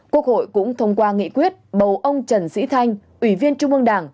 quốc hội cũng thông qua nghị quyết bầu ông trần sĩ thanh ủy viên trung ương đảng